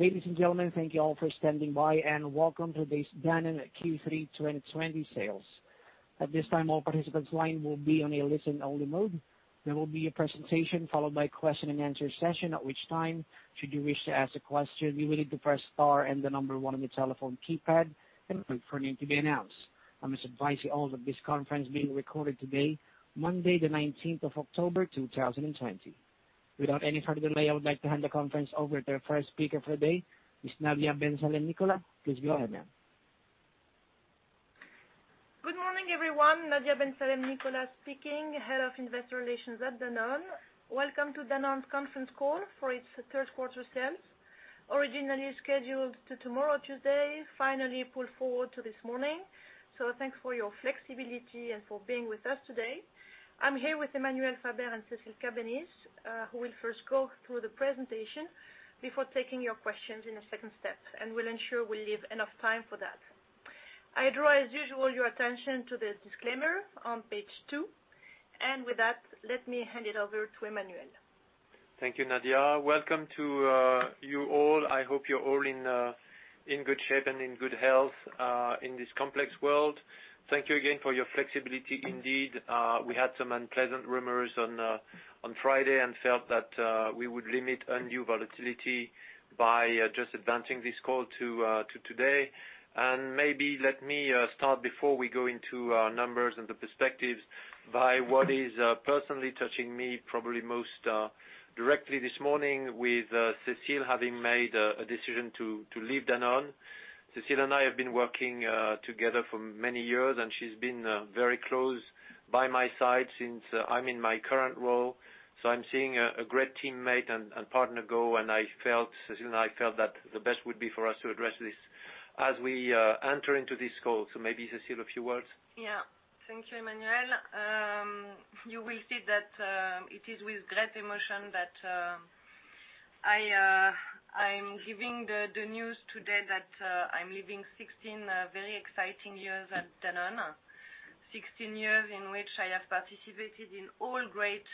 Ladies and gentlemen, thank you all for standing by, and welcome to this Danone Q3 2020 sales. At this time, all participants' line will be on a listen-only mode. There will be a presentation followed by question and answer session, at which time, should you wish to ask a question, you will need to press star and the number one on your telephone keypad, and wait for your name to be announced. I must advise you all that this conference is being recorded today, Monday, the 19th of October, 2020. Without any further delay, I would like to hand the conference over to our first speaker for the day, Ms. Nadia Ben Salem-Nicolas. Please go ahead, ma'am. Good morning, everyone. Nadia Ben Salem-Nicolas speaking, Head of Investor Relations at Danone. Welcome to Danone's conference call for its third-quarter sales, originally scheduled to tomorrow, Tuesday, finally pulled forward to this morning. Thanks for your flexibility and for being with us today. I'm here with Emmanuel Faber and Cécile Cabanis, who will first go through the presentation before taking your questions in a second step. We'll ensure we leave enough time for that. I draw, as usual, your attention to the disclaimer on page two. With that, let me hand it over to Emmanuel. Thank you, Nadia. Welcome to you all. I hope you're all in good shape and in good health in this complex world. Thank you again for your flexibility indeed. We had some unpleasant rumors on Friday and felt that we would limit any volatility by just advancing this call to today. Maybe let me start before we go into our numbers and the perspectives by what is personally touching me probably most directly this morning with Cécile having made a decision to leave Danone. Cécile and I have been working together for many years, and she's been very close by my side since I'm in my current role. I'm seeing a great teammate and partner go, and Cécile and I felt that the best would be for us to address this as we enter into this call. Maybe, Cécile, a few words. Thank you, Emmanuel. You will see that it is with great emotion that I'm giving the news today that I'm leaving 16 very exciting years at Danone. 16 years in which I have participated in all great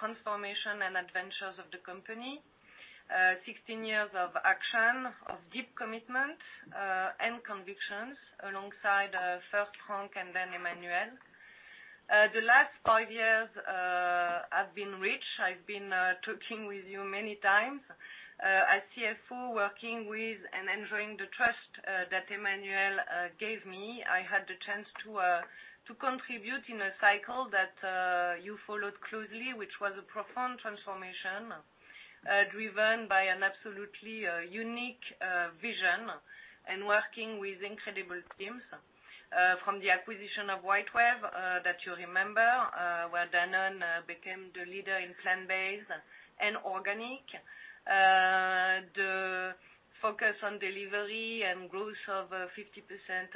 transformation and adventures of the company. 16 years of action, of deep commitment, and convictions alongside first Franck and then Emmanuel. The last five years have been rich. I've been talking with you many times. As CFO, working with and enjoying the trust that Emmanuel gave me, I had the chance to contribute in a cycle that you followed closely, which was a profound transformation driven by an absolutely unique vision and working with incredible teams. From the acquisition of WhiteWave, that you remember, where Danone became the leader in plant-based and organic. The focus on delivery and growth of 50%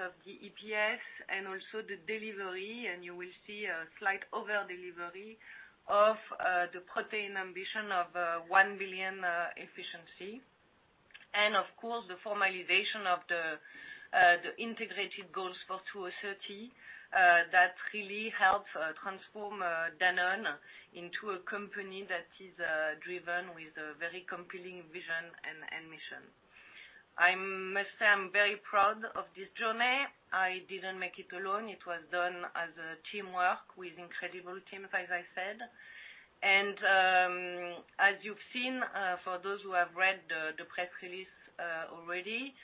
of the EPS and also the delivery, and you will see a slight over-delivery of the Protein ambition of 1 billion efficiency. Of course, the formalization of the integrated goals for 2030, that really help transform Danone into a company that is driven with a very compelling vision and mission. I must say, I'm very proud of this journey. I didn't make it alone. It was done as teamwork with incredible teams, as I said. As you've seen, for those who have read the press release already,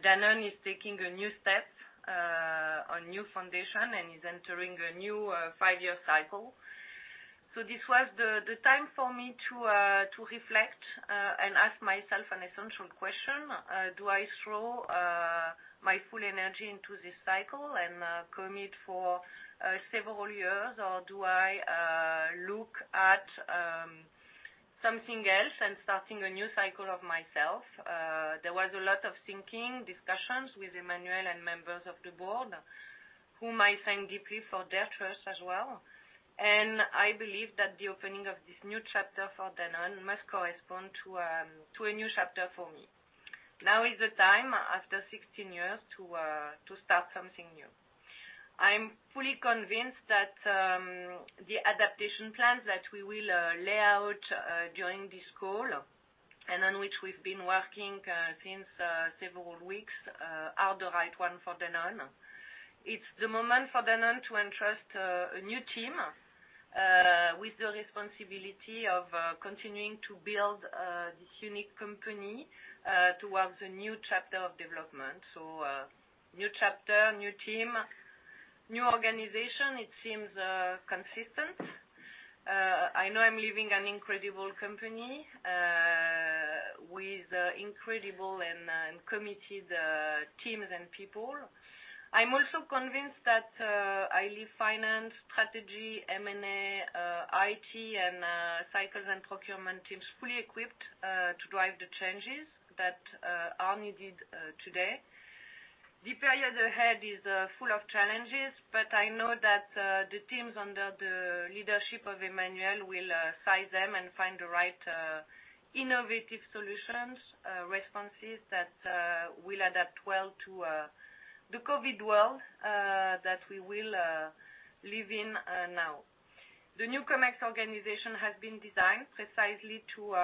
Danone is taking a new step, a new foundation, and is entering a new five-year cycle. This was the time for me to reflect and ask myself an essential question. Do I throw my full energy into this cycle and commit for several years, or do I look at something else and start a new cycle of myself? There was a lot of thinking, discussions with Emmanuel and members of the board, whom I thank deeply for their trust as well. I believe that the opening of this new chapter for Danone must correspond to a new chapter for me. Now is the time, after 16 years, to start something new. I'm fully convinced that the adaptation plans that we will lay out during this call, and on which we've been working since several weeks, are the right one for Danone. It's the moment for Danone to entrust a new team with the responsibility of continuing to build this unique company towards a new chapter of development. A new chapter, new team, new organization, it seems consistent. I know I'm leaving an incredible company with incredible and committed teams and people. I'm also convinced that I leave finance, strategy, M&A, IT, and cycles and procurement teams fully equipped to drive the changes that are needed today. The period ahead is full of challenges, but I know that the teams under the leadership of Emmanuel will size them and find the right innovative solutions, responses that will adapt well to the COVID world that we will live in now. The new COMEX organization has been designed precisely to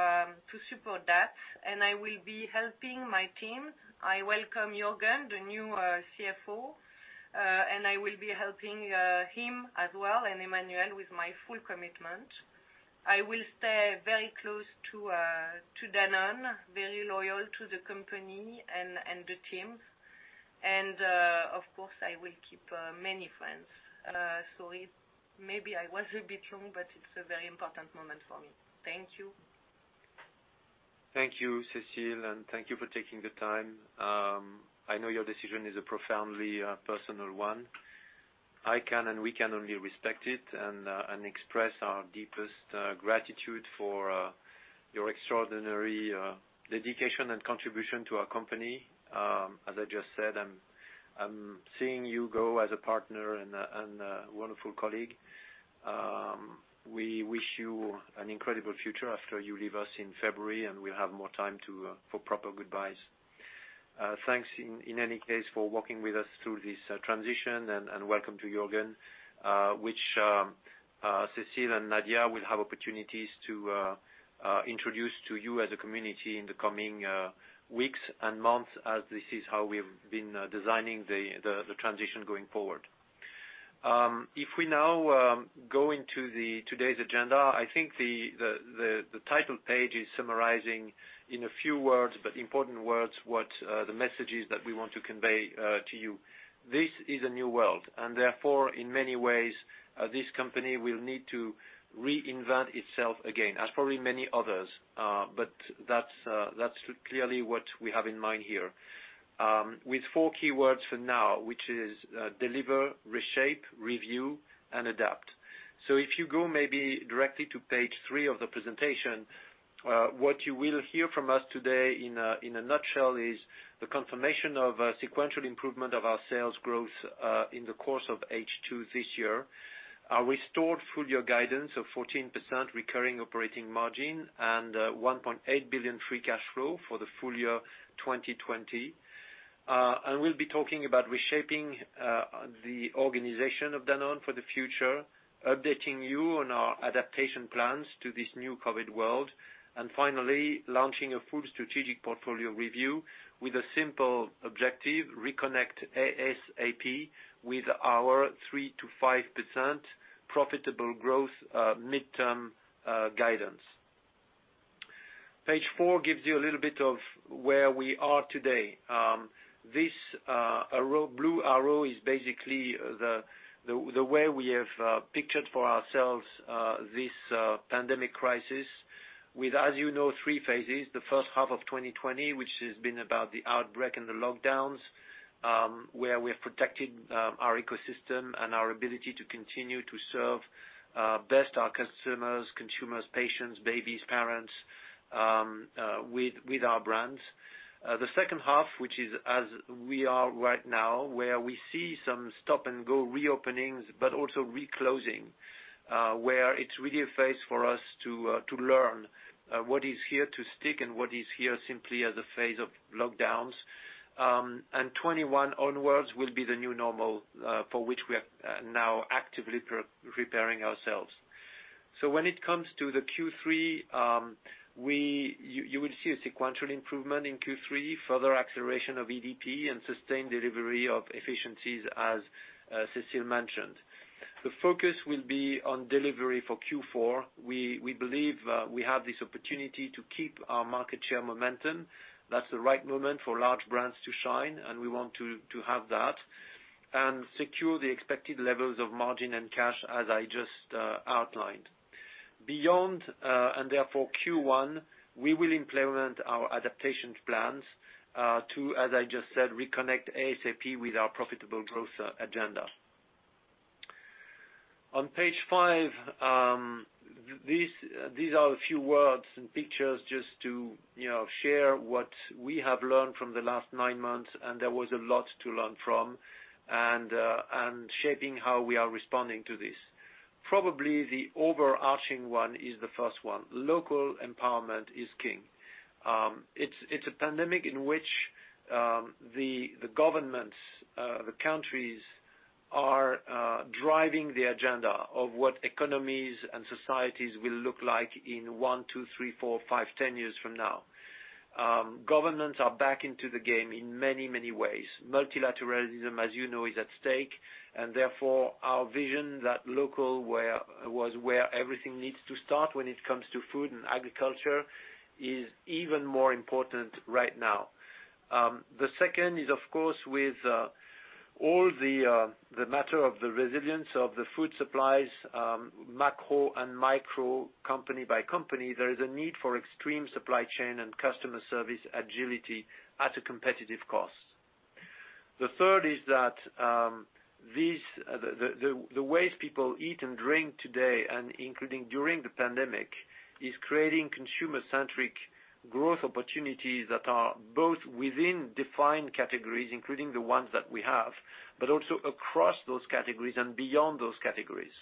support that, and I will be helping my team. I welcome Juergen, the new CFO, and I will be helping him as well, and Emmanuel, with my full commitment. I will stay very close to Danone, very loyal to the company and the team. Of course, I will keep many friends. Sorry, maybe I was a bit long, but it's a very important moment for me. Thank you. Thank you, Cécile, and thank you for taking the time. I know your decision is a profoundly personal one. I can and we can only respect it and express our deepest gratitude for your extraordinary dedication and contribution to our company. As I just said, I'm seeing you go as a partner and a wonderful colleague. We wish you an incredible future after you leave us in February, and we'll have more time for proper goodbyes. Thanks, in any case, for walking with us through this transition, and welcome to Juergen, which Cécile and Nadia will have opportunities to introduce to you as a community in the coming weeks and months, as this is how we've been designing the transition going forward. If we now go into today's agenda, I think the title page is summarizing in a few words, but important words, what the message is that we want to convey to you. This is a new world, and therefore, in many ways, this company will need to reinvent itself again, as probably many others. That's clearly what we have in mind here. With four keywords for now, which is deliver, reshape, review, and adapt. If you go maybe directly to page three of the presentation, what you will hear from us today in a nutshell is the confirmation of a sequential improvement of our sales growth in the course of H2 this year. Our restored full-year guidance of 14% recurring operating margin and 1.8 billion free cash flow for the full year 2020. We'll be talking about reshaping the organization of Danone for the future, updating you on our adaptation plans to this new COVID world, and finally, launching a full strategic portfolio review with a simple objective, reconnect ASAP with our 3%-5% profitable growth midterm guidance. Page four gives you a little bit of where we are today. This blue arrow is basically the way we have pictured for ourselves this pandemic crisis with, as you know, three phases. The first half of 2020, which has been about the outbreak and the lockdowns, where we have protected our ecosystem and our ability to continue to serve best our customers, consumers, patients, babies, parents with our brands. The second half, which is as we are right now, where we see some stop-and-go reopenings, but also reclosing, where it's really a phase for us to learn what is here to stick and what is here simply as a phase of lockdowns. 2021 onwards will be the new normal, for which we are now actively preparing ourselves. When it comes to the Q3, you will see a sequential improvement in Q3, further acceleration of EDP, and sustained delivery of efficiencies as Cécile mentioned. The focus will be on delivery for Q4. We believe we have this opportunity to keep our market share momentum. That's the right moment for large brands to shine, and we want to have that and secure the expected levels of margin and cash as I just outlined. Beyond, and therefore Q1, we will implement our adaptation plans to, as I just said, reconnect ASAP with our profitable growth agenda. On page five, these are a few words and pictures just to share what we have learned from the last nine months, and there was a lot to learn from, and shaping how we are responding to this. Probably the overarching one is the first one. Local empowerment is king. It's a pandemic in which the governments, the countries, are driving the agenda of what economies and societies will look like in one, two, three, four, five, 10 years from now. Governments are back into the game in many ways. Multilateralism, as you know, is at stake, and therefore our vision that local was where everything needs to start when it comes to food and agriculture is even more important right now. The second is, of course, with all the matter of the resilience of the food supplies, macro and micro, company by company, there is a need for extreme supply chain and customer service agility at a competitive cost. The third is that the ways people eat and drink today, and including during the pandemic, is creating consumer-centric growth opportunities that are both within defined categories, including the ones that we have, but also across those categories and beyond those categories.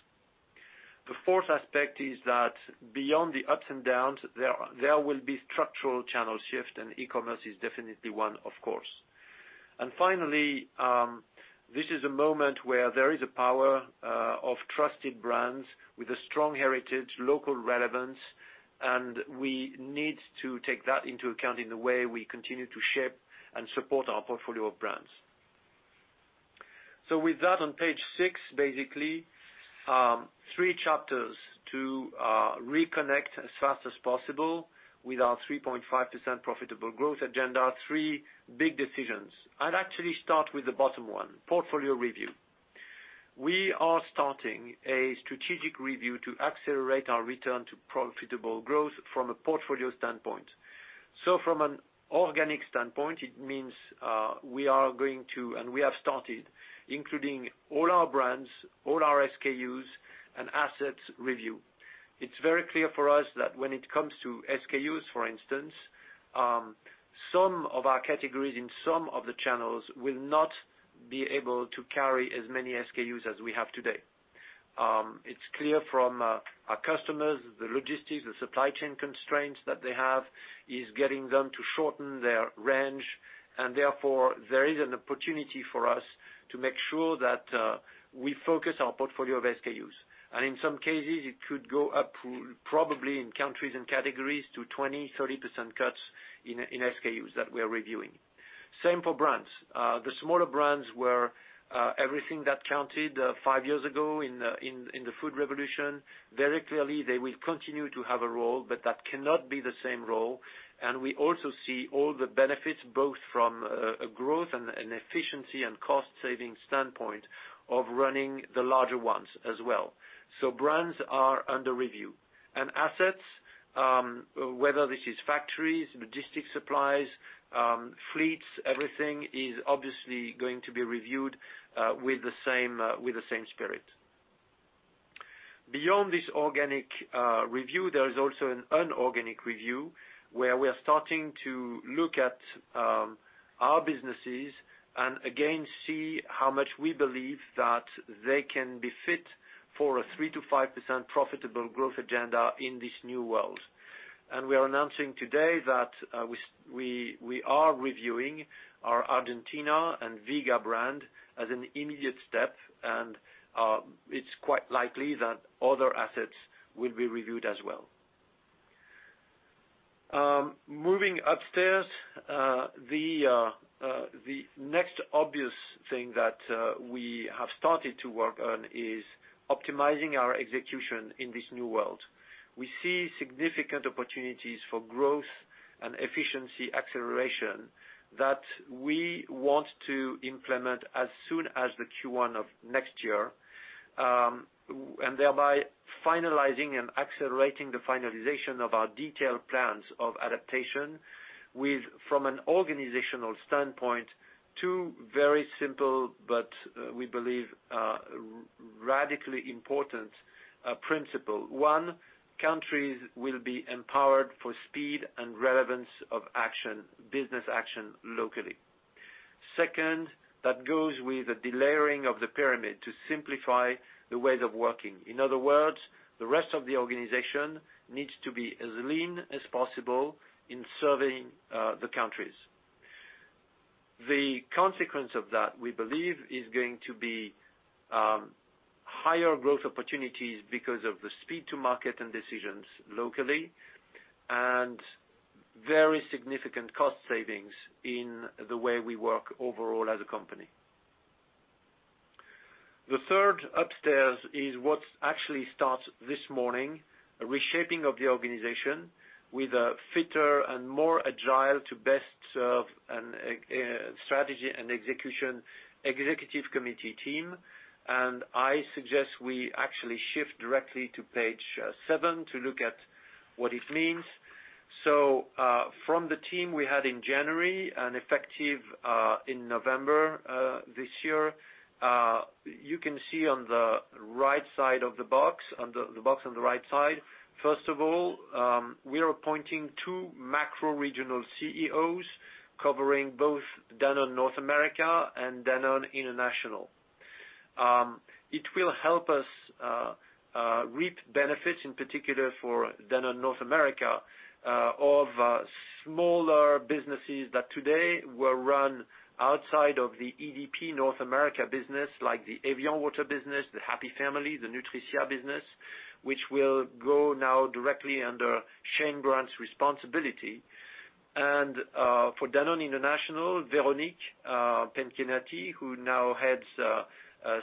The fourth aspect is that beyond the ups and downs, there will be structural channel shift, and e-commerce is definitely one, of course. Finally, this is a moment where there is a power of trusted brands with a strong heritage, local relevance. We need to take that into account in the way we continue to shape and support our portfolio of brands. With that, on page six, basically, three chapters to reconnect as fast as possible with our 3.5% profitable growth agenda. Three big decisions. I'd actually start with the bottom one, portfolio review. We are starting a strategic review to accelerate our return to profitable growth from a portfolio standpoint. From an organic standpoint, it means we are going to, and we have started including all our brands, all our SKUs, and assets review. It's very clear for us that when it comes to SKUs, for instance, some of our categories in some of the channels will not be able to carry as many SKUs as we have today. It's clear from our customers, the logistics, the supply chain constraints that they have is getting them to shorten their range, and therefore, there is an opportunity for us to make sure that we focus our portfolio of SKUs. In some cases, it could go up to, probably in countries and categories, to 20%, 30% cuts in SKUs that we are reviewing. Same for brands. The smaller brands were everything that counted five years ago in the food revolution. Very clearly, they will continue to have a role, but that cannot be the same role. We also see all the benefits, both from a growth and efficiency and cost-saving standpoint of running the larger ones as well. Brands are under review. Assets, whether this is factories, logistics supplies, fleets, everything is obviously going to be reviewed with the same spirit. Beyond this organic review, there is also an inorganic review where we are starting to look at our businesses and again see how much we believe that they can be fit for a 3%-5% profitable growth agenda in this new world. We are announcing today that we are reviewing our Argentina and Vega brand as an immediate step, and it's quite likely that other assets will be reviewed as well. Moving upstairs, the next obvious thing that we have started to work on is optimizing our execution in this new world. We see significant opportunities for growth and efficiency acceleration that we want to implement as soon as the Q1 of next year, and thereby finalizing and accelerating the finalization of our detailed plans of adaptation with, from an organizational standpoint, two very simple but we believe, radically important principle. One, countries will be empowered for speed and relevance of business action locally. Second, that goes with a delayering of the pyramid to simplify the ways of working. In other words, the rest of the organization needs to be as lean as possible in serving the countries. The consequence of that, we believe, is going to be higher growth opportunities because of the speed to market and decisions locally, and very significant cost savings in the way we work overall as a company. The third upstairs is what actually starts this morning, a reshaping of the organization with a fitter and more agile to best serve strategy and execution Executive Committee team. I suggest we actually shift directly to page seven to look at what it means. From the team we had in January and effective in November this year, you can see on the box on the right side. First of all, we are appointing two macro regional CEOs covering both Danone North America and Danone International. It will help us reap benefits, in particular for Danone North America, of smaller businesses that today were run outside of the EDP North America business, like the evian water business, the Happy Family, the Nutricia business, which will go now directly under Shane Grant's responsibility. For Danone International, Véronique Penchienati who now heads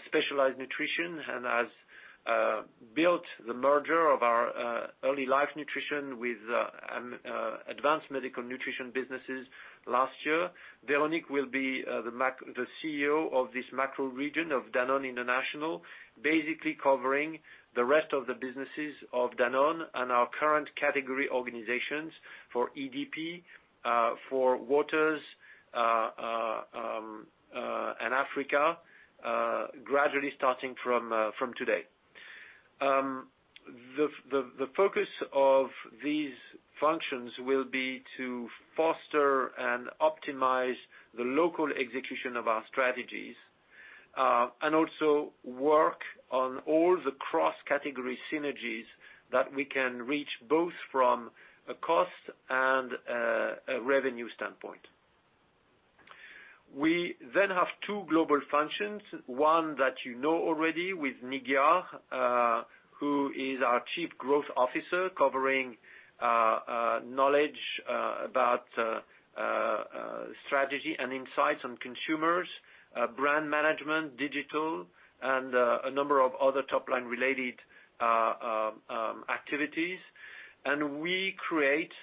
Specialized Nutrition and has built the merger of our Early Life Nutrition with Advanced Medical Nutrition businesses last year. Véronique will be the CEO of this macro region of Danone International, basically covering the rest of the businesses of Danone and our current category organizations for EDP, for Waters, and Africa, gradually starting from today. The focus of these functions will be to foster and optimize the local execution of our strategies, and also work on all the cross-category synergies that we can reach both from a cost and a revenue standpoint. We then have two global functions, one that you know already with Nigyar, who is our Chief Growth Officer, covering knowledge about strategy and insights on consumers, brand management, digital, a number of other top-line related activities. We create,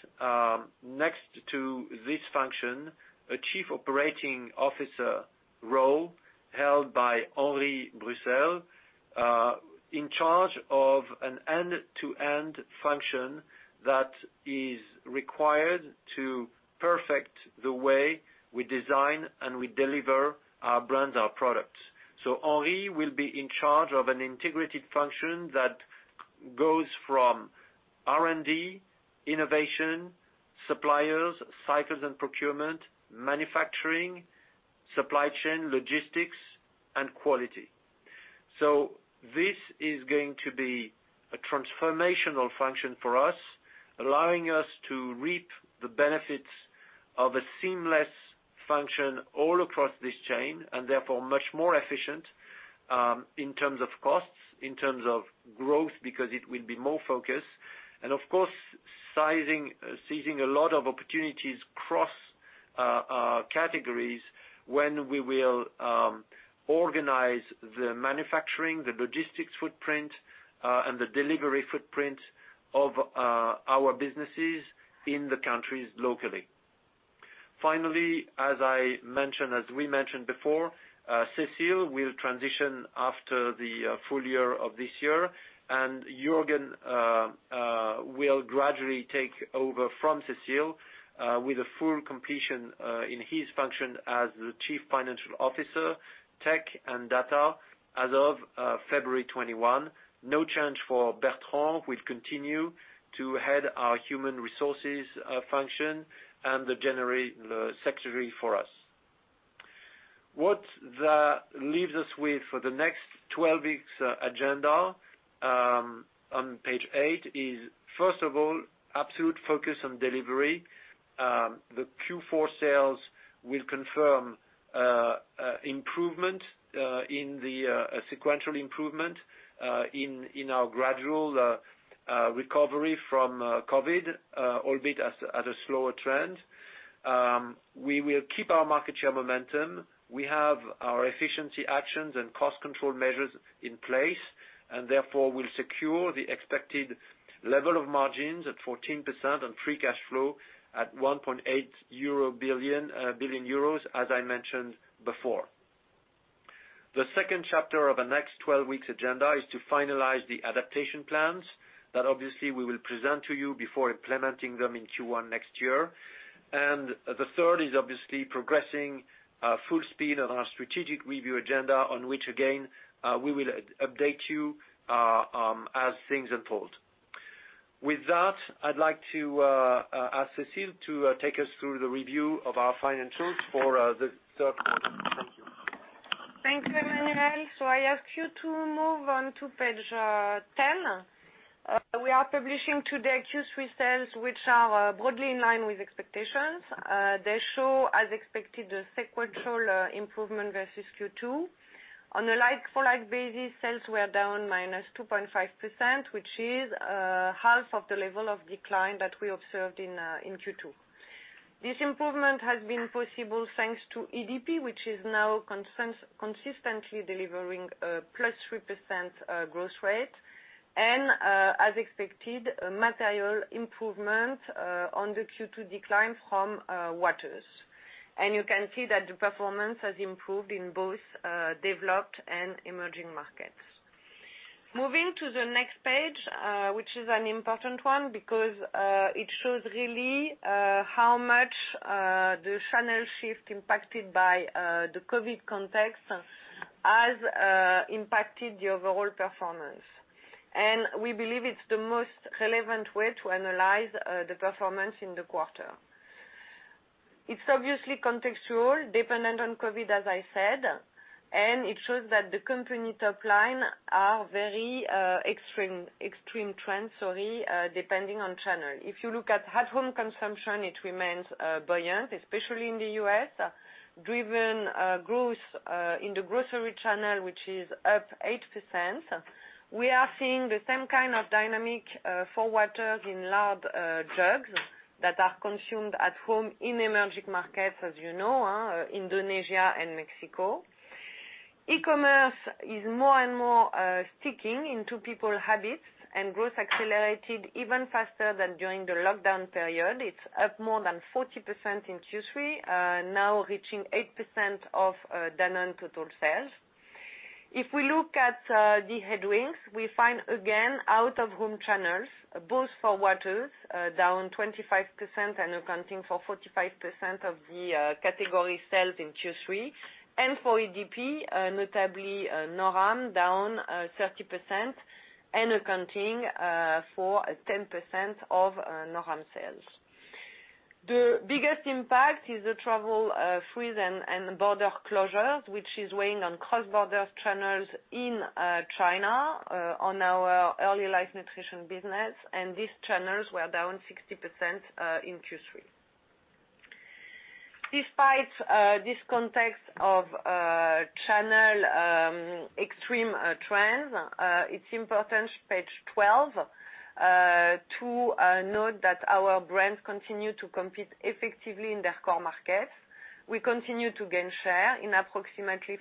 next to this function, a Chief Operating Officer role held by Henri Bruxelles, in charge of an end-to-end function that is required to perfect the way we design and we deliver our brands, our products. Henri will be in charge of an integrated function that goes from R&D, innovation, suppliers, cycles and procurement, manufacturing, supply chain, logistics, and quality. This is going to be a transformational function for us, allowing us to reap the benefits of a seamless function all across this chain, and therefore much more efficient, in terms of costs, in terms of growth, because it will be more focused, and of course, seizing a lot of opportunities cross categories when we will organize the manufacturing, the logistics footprint, and the delivery footprint of our businesses in the countries locally. Finally, as we mentioned before, Cécile will transition after the full year of this year, and Juergen will gradually take over from Cécile, with a full completion in his function as the Chief Financial Officer, tech and data as of February 21. No change for Bertrand, who will continue to head our human resources function and the general secretary for us. What that leaves us with for the next 12 weeks agenda, on page eight, is first of all, absolute focus on delivery. The Q4 sales will confirm a sequential improvement in our gradual recovery from COVID, albeit at a slower trend. We will keep our market share momentum. We have our efficiency actions and control measures in place, and therefore, will secure the expected level of margins at 14% on free cash flow at 1.8 billion euro, as I mentioned before. The second chapter of our next 12 weeks agenda is to finalize the adaptation plans, that obviously we will present to you before implementing them in Q1 next year. The third is obviously progressing full speed on our strategic review agenda, on which again, we will update you as things unfold. With that, I'd like to ask Cécile to take us through the review of our financials for the third quarter. Thank you. Thanks, Emmanuel. I ask you to move on to page 10. We are publishing today Q3 sales, which are broadly in line with expectations. They show, as expected, a sequential improvement versus Q2. On a like-for-like basis, sales were down -2.5%, which is half of the level of decline that we observed in Q2. This improvement has been possible thanks to EDP, which is now consistently delivering +3% growth rate and, as expected, material improvement on the Q2 decline from Waters. You can see that the performance has improved in both developed and emerging markets. Moving to the next page, which is an important one because, it shows really how much the channel shift impacted by the COVID context has impacted the overall performance. We believe it's the most relevant way to analyze the performance in the quarter. It's obviously contextual, dependent on COVID, as I said. It shows that the company top line are very extreme trends, depending on channel. If you look at at-home consumption, it remains buoyant, especially in the U.S., driven growth in the grocery channel, which is up 8%. We are seeing the same kind of dynamic for Waters in large jugs that are consumed at home in emerging markets as you know, Indonesia and Mexico. E-commerce is more and more sticking into people habits. Growth accelerated even faster than during the lockdown period. It's up more than 40% in Q3, now reaching 8% of Danone total sales. If we look at the headwinds, we find again out-of-home channels, both for Waters, down 25% and accounting for 45% of the category sales in Q3, and for EDP, notably NORAM, down 30% and accounting for 10% of NORAM sales. The biggest impact is the travel freeze and border closures, which is weighing on cross-border channels in China on our Early Life Nutrition business, and these channels were down 60% in Q3. Despite this context of channel extreme trends, it's important, page 12, to note that our brands continue to compete effectively in their core markets. We continue to gain share in approximately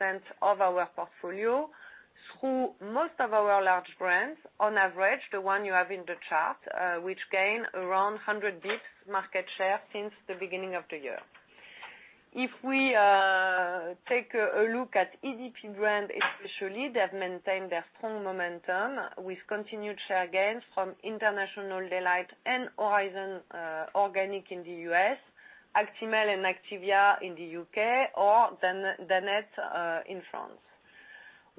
50% of our portfolio through most of our large brands. On average, the one you have in the chart, which gain around 100 basis points market share since the beginning of the year. If we take a look at EDP brand, especially, they've maintained their strong momentum with continued share gains from International Delight and Horizon Organic in the U.S., Actimel and Activia in the U.K. or Danette in France.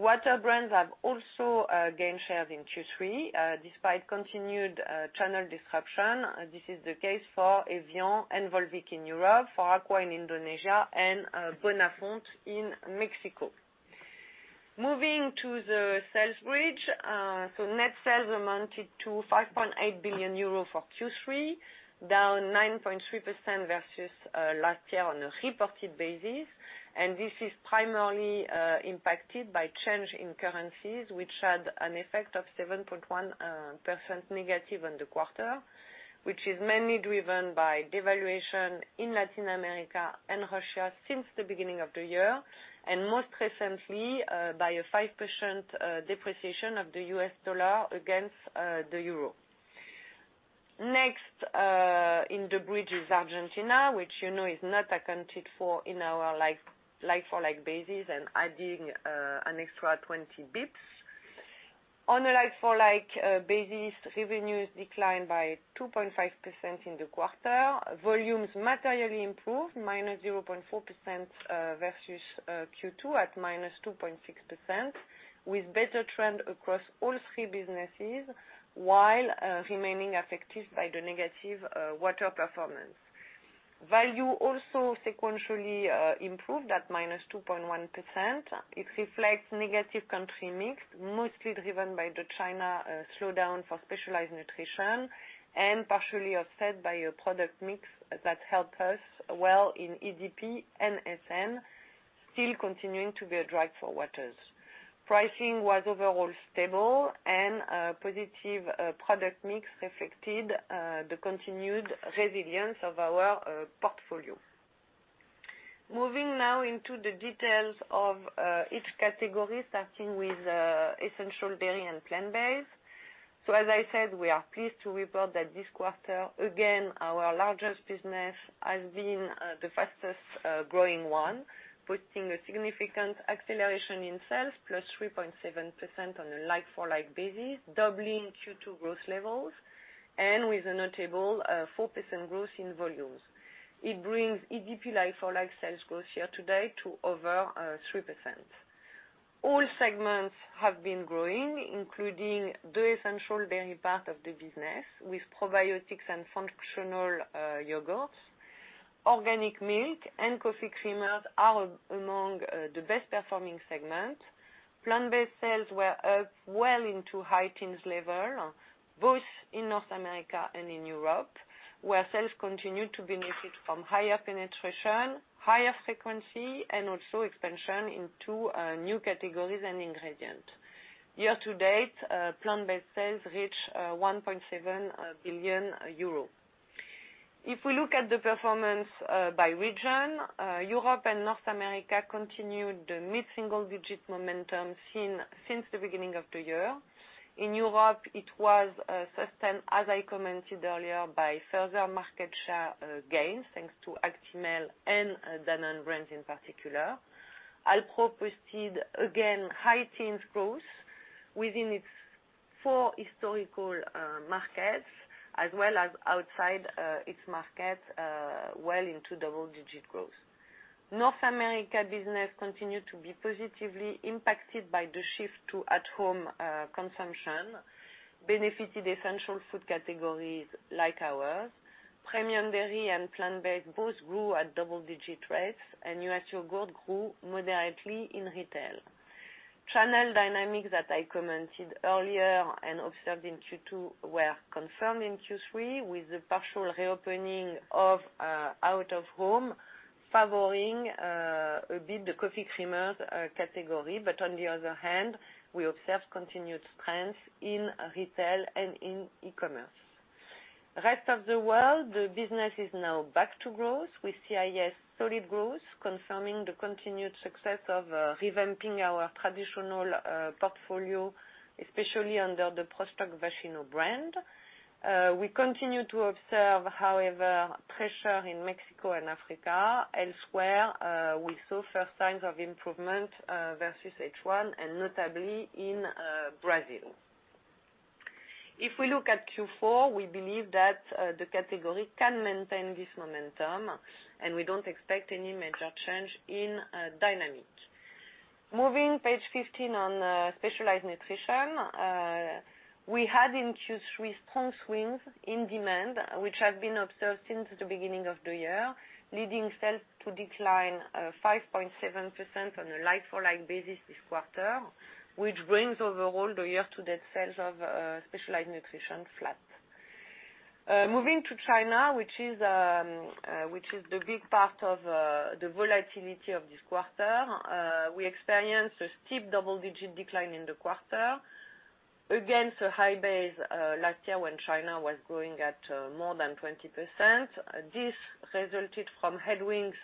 Water brands have also gained shares in Q3, despite continued channel disruption. This is the case for evian and Volvic in Europe, for AQUA in Indonesia, and Bonafont in Mexico. Moving to the sales bridge. Net sales amounted to 5.8 billion euro for Q3, down 9.3% versus last year on a reported basis. This is primarily impacted by change in currencies, which had an effect of 7.1% negative on the quarter, which is mainly driven by devaluation in Latin America and Russia since the beginning of the year, and most recently, by a 5% depreciation of the US dollar against the euro. Next, in the bridge is Argentina, which you know is not accounted for in our like-for-like basis, and adding an extra 20 basis points. On a like-for-like basis, revenues declined by 2.5% in the quarter. Volumes materially improved -0.4% versus Q2 at -2.6%, with better trend across all three businesses while remaining affected by the negative Water performance. Value also sequentially improved at -2.1%. It reflects negative country mix, mostly driven by the China slowdown for Specialized Nutrition and partially offset by a product mix that helped us well in EDP and SN, still continuing to be a drag for Waters. Pricing was overall stable, and a positive product mix reflected the continued resilience of our portfolio. Moving now into the details of each category, starting with Essential Dairy and Plant-Based. As I said, we are pleased to report that this quarter, again, our largest business has been the fastest growing one, posting a significant acceleration in sales, +3.7% on a like-for-like basis, doubling Q2 growth levels and with a notable 4% growth in volumes. It brings EDP like-for-like sales growth year-to-date to over 3%. All segments have been growing, including the essential dairy part of the business with probiotics and functional yogurts. Organic milk and coffee creamers are among the best performing segments. Plant-based sales were up well into high teens level, both in North America and in Europe, where sales continued to benefit from higher penetration, higher frequency, and also expansion into new categories and ingredients. Year-to-date, plant-based sales reach 1.7 billion euro. If we look at the performance by region, Europe and North America continued the mid-single digit momentum since the beginning of the year. In Europe, it was sustained, as I commented earlier, by further market share gains, thanks to Actimel and Danone brands in particular. Alpro posted again high teens growth within its four historical markets as well as outside its markets, well into double-digit growth. North America business continued to be positively impacted by the shift to at-home consumption, benefited essential food categories like ours. Premium dairy and plant-based both grew at double-digit rates, and U.S. yogurt grew moderately in retail. Channel dynamics that I commented earlier and observed in Q2 were confirmed in Q3 with the partial reopening of out-of-home favoring a bit the coffee creamers category. On the other hand, we observed continued strength in retail and in e-commerce. Rest of the world, the business is now back to growth, with CIS solid growth, confirming the continued success of revamping our traditional portfolio, especially under the Prostokvashino brand. We continue to observe, however, pressure in Mexico and Africa. Elsewhere, we saw first signs of improvement versus H1, notably in Brazil. If we look at Q4, we believe that the category can maintain this momentum, we don't expect any major change in dynamic. Moving page 15 on Specialized Nutrition, we had in Q3 strong swings in demand, which has been observed since the beginning of the year, leading sales to decline 5.7% on a like-for-like basis this quarter, which brings overall the year-to-date sales of Specialized Nutrition flat. Moving to China, which is the big part of the volatility of this quarter, we experienced a steep double-digit decline in the quarter against a high base last year when China was growing at more than 20%. This resulted from headwinds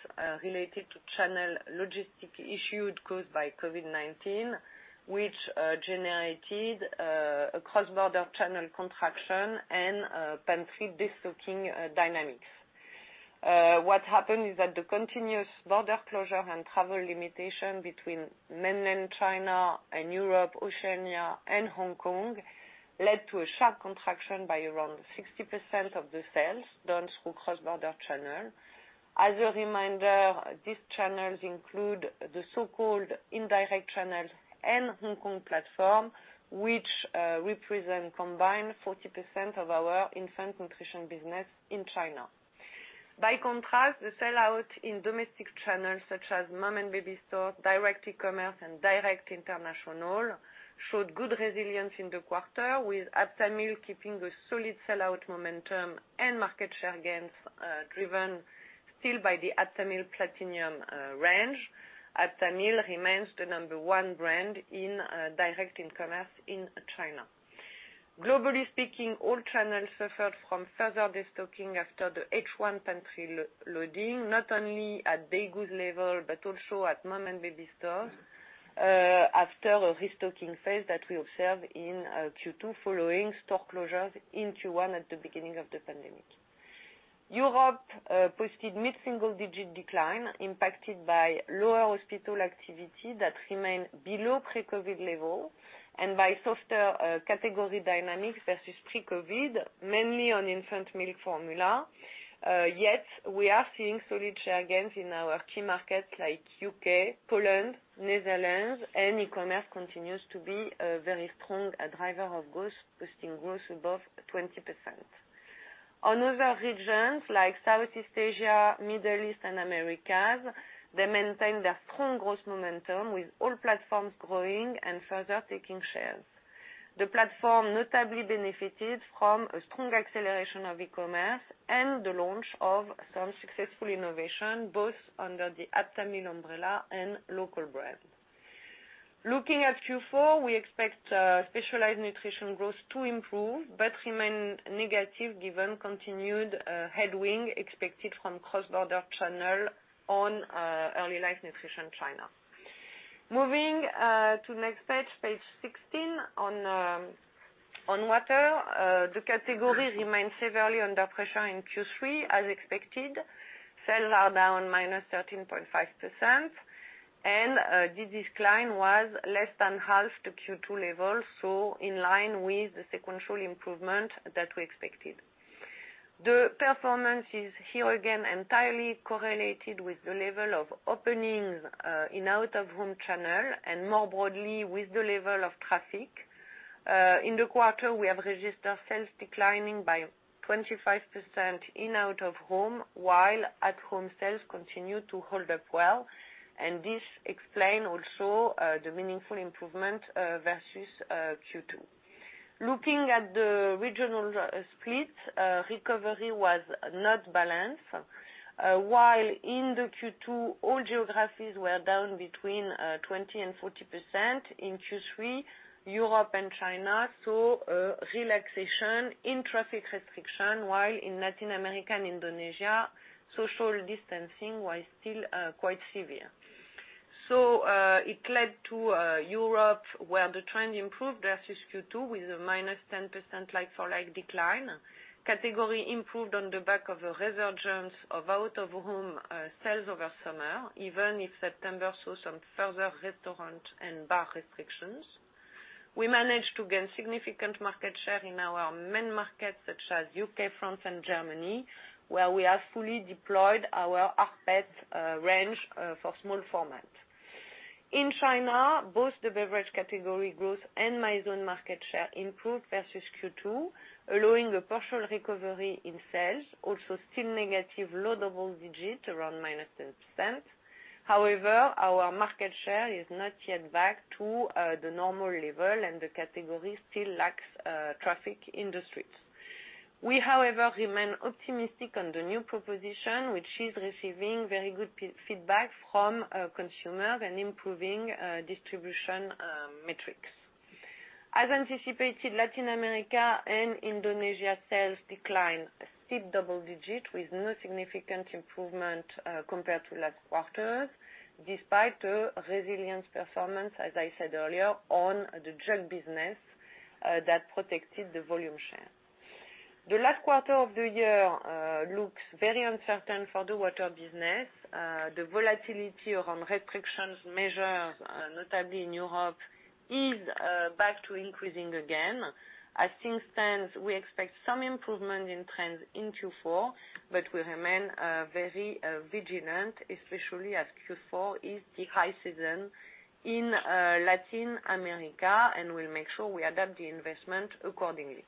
related to channel logistic issues caused by COVID-19, which generated a cross-border channel contraction and a pantry de-stocking dynamics. What happened is that the continuous border closure and travel limitation between Mainland China and Europe, Oceania, and Hong Kong led to a sharp contraction by around 60% of the sales done through cross-border channel. As a reminder, these channels include the so-called indirect channels and Hong Kong platform, which represent a combined 40% of our infant nutrition business in China. By contrast, the sell-out in domestic channels such as mom and baby stores, direct e-commerce, and direct international, showed good resilience in the quarter, with Aptamil keeping a solid sell-out momentum and market share gains driven still by the Aptamil Platinum range. Aptamil remains the number one brand in direct e-commerce in China. Globally speaking, all channels suffered from further de-stocking after the H1 pantry loading, not only at big [goods] level but also at mom and baby stores, after a restocking phase that we observed in Q2 following store closures in Q1 at the beginning of the pandemic. Europe posted mid-single digit decline, impacted by lower hospital activity that remained below pre-COVID level and by softer category dynamics versus pre-COVID, mainly on infant milk formula. Yet, we are seeing solid share gains in our key markets like U.K., Poland, Netherlands, and e-commerce continues to be a very strong driver of growth, boosting growth above 20%. On other regions like Southeast Asia, Middle East, and Americas, they maintain their strong growth momentum with all platforms growing and further taking shares. The platform notably benefited from a strong acceleration of e-commerce and the launch of some successful innovation, both under the Aptamil umbrella and local brand. Looking at Q4, we expect specialized nutrition growth to improve, remain negative given continued headwind expected from cross-border channel on Early Life Nutrition China. Moving to the next page 16, on Water. The category remained severely under pressure in Q3 as expected. Sales are down -13.5%, this decline was less than half the Q2 level, in line with the sequential improvement that we expected. The performance is here again entirely correlated with the level of openings in out-of-home channel and more broadly, with the level of traffic. In the quarter, we have registered sales declining by 25% in out-of-home, while at-home sales continue to hold up well. This explain also the meaningful improvement versus Q2. Looking at the regional split, recovery was not balanced. While in Q2, all geographies were down between 20% and 40%, in Q3, Europe and China saw a relaxation in traffic restriction, while in Latin America and Indonesia, social distancing was still quite severe. It led to Europe, where the trend improved versus Q2 with a -10% like-for-like decline. Category improved on the back of a resurgence of out-of-home sales over summer, even if September saw some further restaurant and bar restrictions. We managed to gain significant market share in our main markets such as U.K., France, and Germany, where we have fully deployed our rPET range for small format. In China, both the beverage category growth and Mizone market share improved versus Q2, allowing a partial recovery in sales, also still negative low double digit, around -10%. Our market share is not yet back to the normal level, and the category still lacks traffic in the streets. We, however, remain optimistic on the new proposition, which is receiving very good feedback from consumers and improving distribution metrics. As anticipated, Latin America and Indonesia sales declined a steep double-digit with no significant improvement compared to last quarter, despite a resilience performance, as I said earlier, on the drink business that protected the volume share. The last quarter of the year looks very uncertain for the Water business. The volatility around restrictions measures, notably in Europe, is back to increasing again. As things stand, we expect some improvement in trends in Q4, but we remain very vigilant, especially as Q4 is the high season in Latin America, and we'll make sure we adapt the investment accordingly.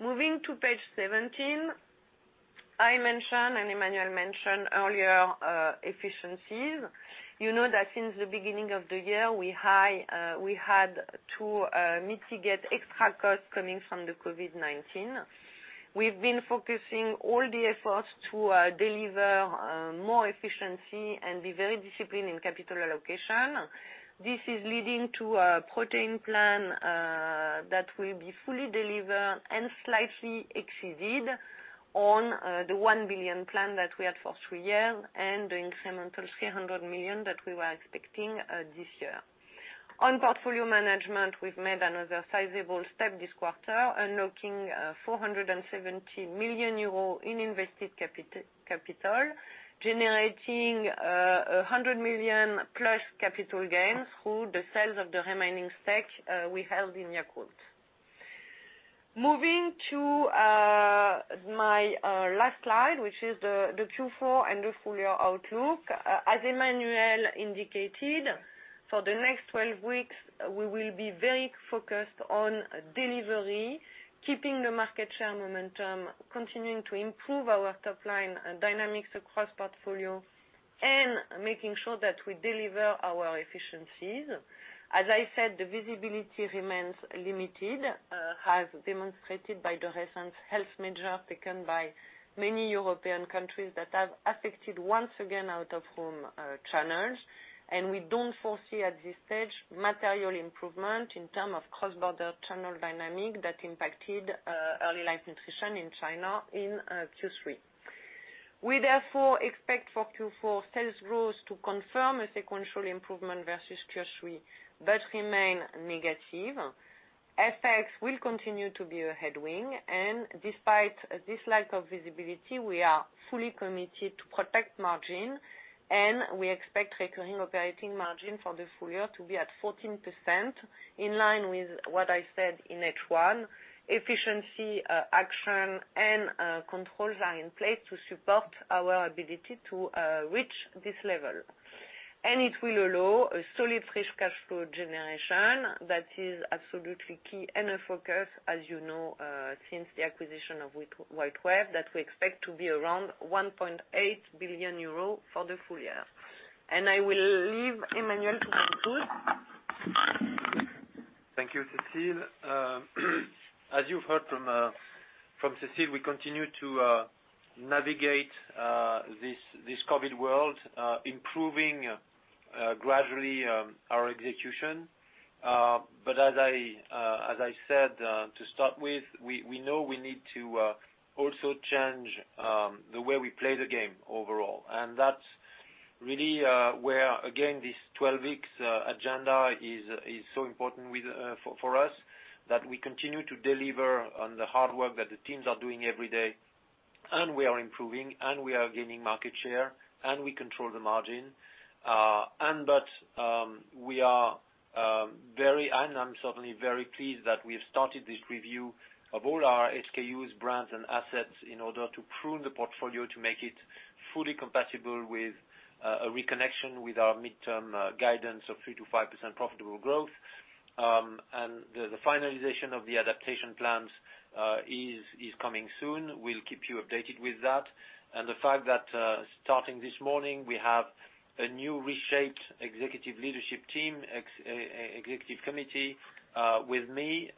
Moving to page 17, I mentioned, and Emmanuel mentioned earlier, efficiencies. You know that since the beginning of the year, we had to mitigate extra costs coming from the COVID-19. We've been focusing all the efforts to deliver more efficiency and be very disciplined in capital allocation. This is leading to a Protein plan that will be fully delivered and slightly exceeded on the 1 billion plan that we had for three years and the incremental 300 million that we were expecting this year. On portfolio management, we've made another sizable step this quarter, unlocking 470 million euros in invested capital, generating 100 million plus capital gains through the sales of the remaining stake we held in Yakult. Moving to my last slide, which is the Q4 and the full-year outlook. As Emmanuel indicated, for the next 12 weeks, we will be very focused on delivery, keeping the market share momentum, continuing to improve our top-line dynamics across portfolio, and making sure that we deliver our efficiencies. As I said, the visibility remains limited, as demonstrated by the recent health measure taken by many European countries that have affected, once again, out-of-home channels. We don't foresee at this stage material improvement in terms of cross-border channel dynamic that impacted Early Life Nutrition in China in Q3. We therefore expect for Q4 sales growth to confirm a sequential improvement versus Q3, but remain negative. FX will continue to be a headwind. Despite this lack of visibility, we are fully committed to protect margin, and we expect recurring operating margin for the full year to be at 14%, in line with what I said in H1. Efficiency action and controls are in place to support our ability to reach this level. It will allow a solid free cash flow generation that is absolutely key and a focus, as you know, since the acquisition of WhiteWave, that we expect to be around 1.8 billion euro for the full year. I will leave Emmanuel to conclude. Thank you, Cécile. As you've heard from Cécile, we continue to navigate this COVID world, improving gradually our execution. As I said to start with, we know we need to also change the way we play the game overall, that's really where, again, this 12 weeks agenda is so important for us, that we continue to deliver on the hard work that the teams are doing every day, we are improving, we are gaining market share, we control the margin. I'm certainly very pleased that we've started this review of all our SKUs, brands, and assets in order to prune the portfolio to make it fully compatible with a reconnection with our midterm guidance of 3%-5% profitable growth. The finalization of the adaptation plans is coming soon. We'll keep you updated with that. The fact that starting this morning, we have a new reshaped executive leadership team, Executive Committee with me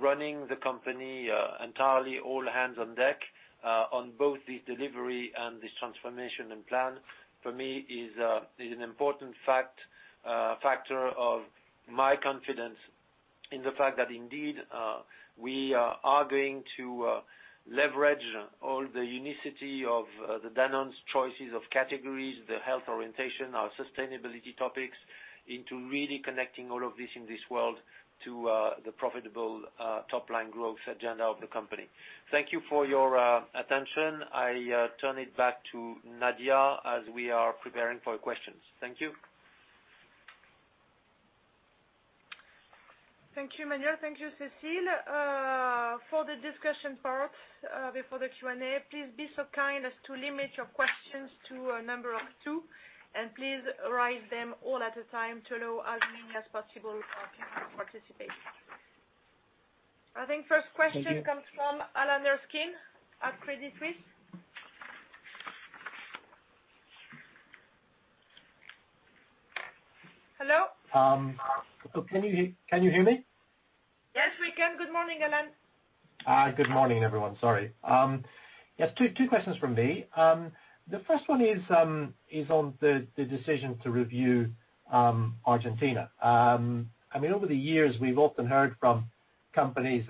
running the company entirely all hands on deck on both this delivery and this transformation and plan, for me is an important factor of my confidence in the fact that indeed, we are going to leverage all the unicity of the Danone's choices of categories, the health orientation, our sustainability topics, into really connecting all of this in this world to the profitable top-line growth agenda of the company. Thank you for your attention. I turn it back to Nadia as we are preparing for questions. Thank you. Thank you, Emmanuel. Thank you, Cécile. For the discussion part before the Q&A, please be so kind as to limit your questions to a number of two, and please write them all at a time to allow as many as possible to participate. I think first question. Thank you. Comes from Alan Erskine at Credit Suisse. Hello? Can you hear me? Yes, we can. Good morning, Alan. Good morning, everyone. Sorry. Yes, two questions from me. The first one is on the decision to review Argentina. Over the years, we've often heard from companies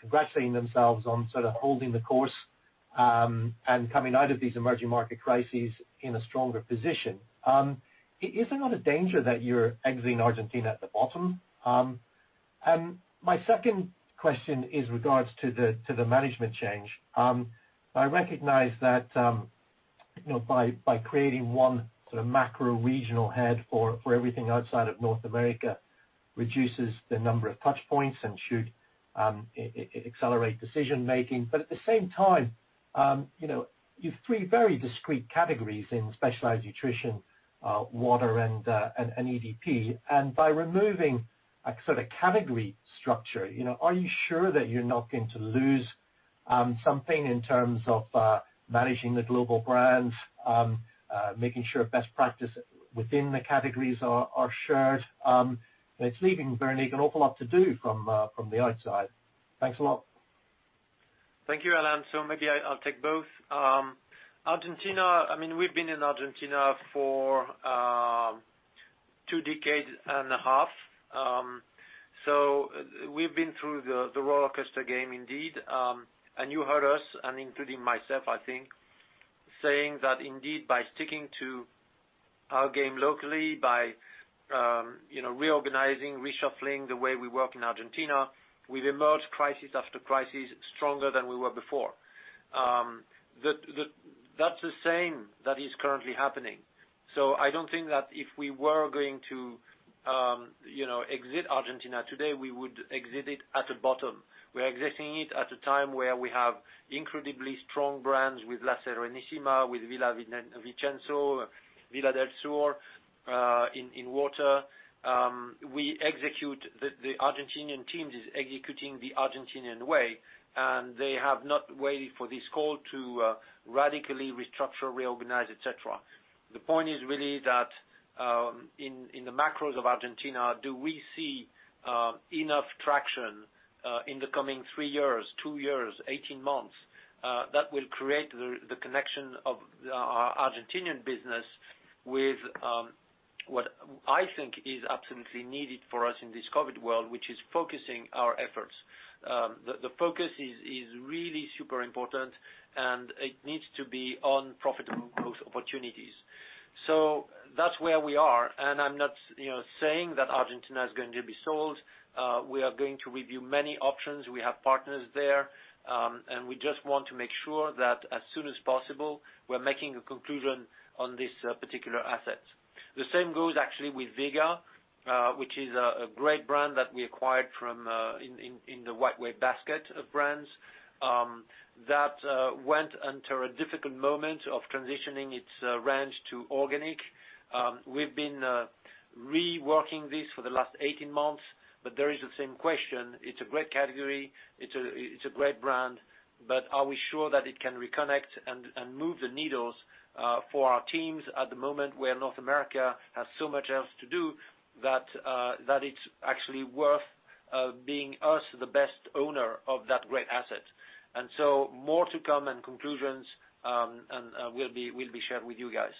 congratulating themselves on sort of holding the course and coming out of these emerging market crises in a stronger position. Is there not a danger that you're exiting Argentina at the bottom? My second question is regards to the management change. I recognize that by creating one sort of macro regional head for everything outside of North America reduces the number of touch points and should accelerate decision making. At the same time, you've three very discrete categories in Specialized Nutrition, Water, and EDP. By removing a sort of category structure, are you sure that you're not going to lose something in terms of managing the global brands, making sure best practice within the categories are shared? It's leaving, very an awful lot to do from the outside. Thanks a lot. Thank you, Alan. Maybe I'll take both. Argentina, we've been in Argentina for two decades and a half. We've been through the rollercoaster game indeed. You heard us and, including myself, I think, saying that indeed, by sticking to our game locally, by reorganizing, reshuffling the way we work in Argentina, we've emerged crisis after crisis stronger than we were before. That's the same that is currently happening. I don't think that if we were going to exit Argentina today, we would exit it at the bottom. We are exiting it at a time where we have incredibly strong brands with La Serenísima, with Villavicencio, Villa del Sur in Water. The Argentinian teams is executing the Argentinian way. They have not waited for this call to radically restructure, reorganize, et cetera. The point is really that, in the macros of Argentina, do we see enough traction in the coming three years, two years, 18 months, that will create the connection of our Argentinian business with what I think is absolutely needed for us in this COVID world, which is focusing our efforts. The focus is really super important, and it needs to be on profitable growth opportunities. That's where we are, and I'm not saying that Argentina is going to be sold. We are going to review many options. We have partners there, and we just want to make sure that as soon as possible, we're making a conclusion on this particular asset. The same goes actually with Vega, which is a great brand that we acquired in the WhiteWave basket of brands, that went under a difficult moment of transitioning its range to organic. We've been reworking this for the last 18 months, there is the same question. It's a great category, it's a great brand, but are we sure that it can reconnect and move the needles for our teams at the moment where North America has so much else to do that it's actually worth being us the best owner of that great asset. More to come and conclusions will be shared with you guys.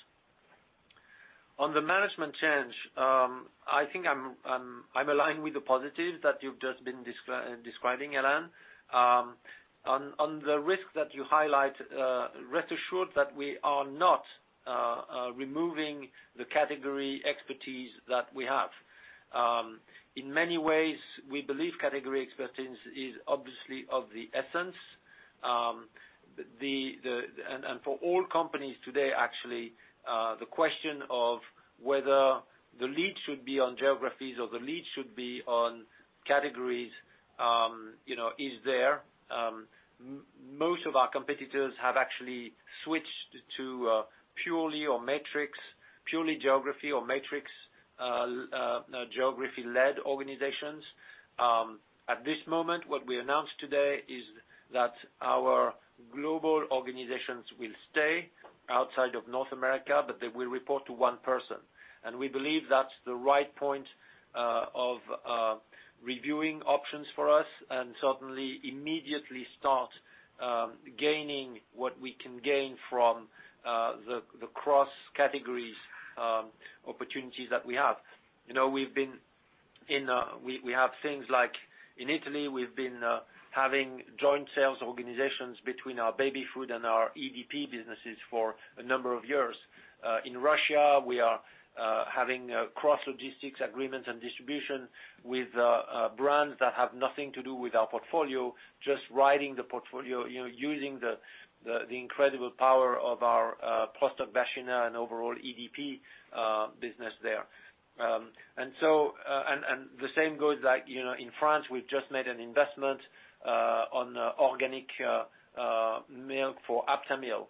On the management change, I think I'm aligned with the positive that you've just been describing, Alan. On the risk that you highlight, rest assured that we are not removing the category expertise that we have. In many ways, we believe category expertise is obviously of the essence. For all companies today, actually, the question of whether the lead should be on geographies or the lead should be on categories, is there. Most of our competitors have actually switched to purely on metrics, purely geography or metrics, geography-led organizations. At this moment, what we announced today is that our global organizations will stay outside of North America, but they will report to one person. We believe that's the right point of reviewing options for us and certainly immediately start gaining what we can gain from the cross categories opportunities that we have. We have things like in Italy, we've been having joint sales organizations between our baby food and our EDP businesses for a number of years. In Russia, we are having cross logistics agreements and distribution with brands that have nothing to do with our portfolio, just riding the portfolio, using the incredible power of our Prostokvashino and overall EDP business there. The same goes like in France, we've just made an investment on organic milk for Aptamil,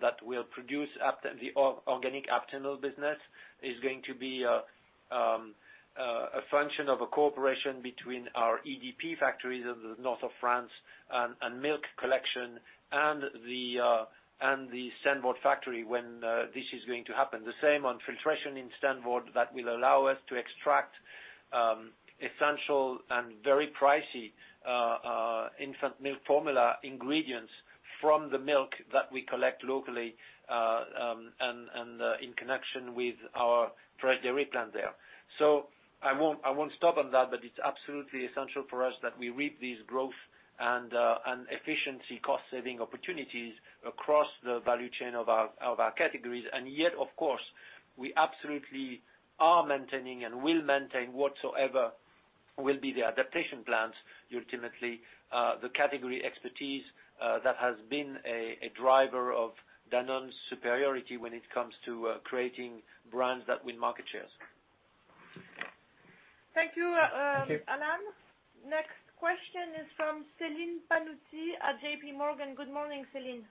that will produce the organic Aptamil business, is going to be a function of a cooperation between our EDP factories in the north of France and milk collection and the Steenvoorde factory when this is going to happen. The same on filtration in Steenvoorde that will allow us to extract essential and very pricey infant milk formula ingredients from the milk that we collect locally, and in connection with our dairy plant there. I won't stop on that, but it's absolutely essential for us that we reap these growth and efficiency cost-saving opportunities across the value chain of our categories. Yet, of course, we absolutely are maintaining and will maintain whatsoever will be the adaptation plans, ultimately, the category expertise, that has been a driver of Danone's superiority when it comes to creating brands that win market shares. Thank you, Alan. Thank you. Next question is from Celine Pannuti at JPMorgan. Good morning, Celine.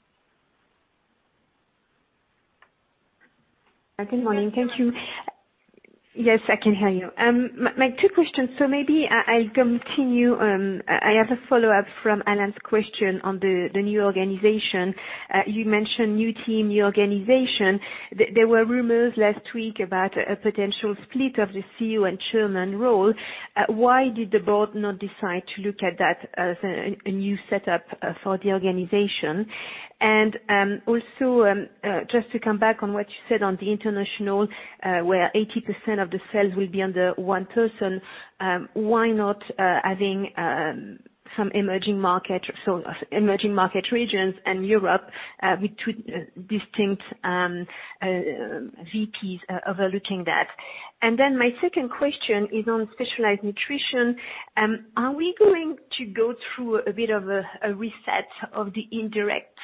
Good morning. Thank you. Yes, I can hear you. My two questions, maybe I'll continue. I have a follow-up from Alan's question on the new organization. You mentioned new team, new organization. There were rumors last week about a potential split of the CEO and Chairman role. Why did the board not decide to look at that as a new setup for the organization? Just to come back on what you said on the international, where 80% of the sales will be under one person, why not adding some emerging market regions and Europe with two distinct VPs overlooking that? My second question is on Specialized Nutrition. Are we going to go through a bit of a reset of the indirect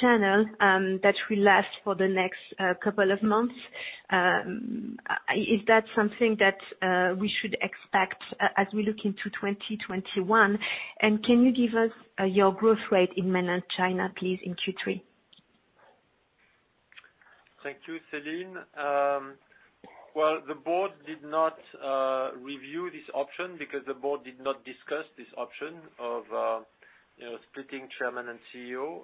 channel that will last for the next couple of months? Is that something that we should expect as we look into 2021? Can you give us your growth rate in Mainland China, please, in Q3? Thank you, Celine. The board did not review this option because the board did not discuss this option of splitting Chairman and CEO.